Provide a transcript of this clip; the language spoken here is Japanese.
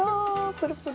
プルプル。